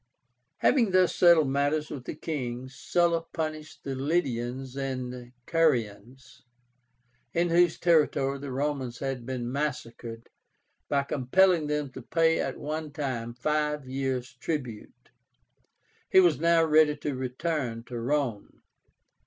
Having thus settled matters with the king, Sulla punished the Lydians and Carians, in whose territory the Romans had been massacred, by compelling them to pay at one time five years' tribute. He was now ready to return to Rome.